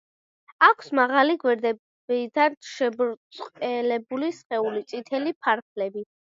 აქვს მაღალი, გვერდებიდან შებრტყელებული სხეული, წითელი ფარფლები.